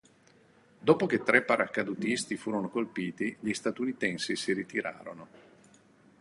Dopo che tre paracadutisti furono colpiti, gli statunitensi si ritirarono.